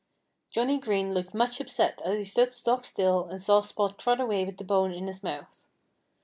Johnnie Green looked much upset as he stood stock still and saw Spot trot away with the bone in his mouth.